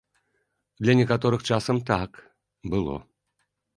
Для некаторых часам так, было.